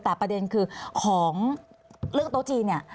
แต่ประเด็นคือของเรื่องโต๊ะจีนเนี่ย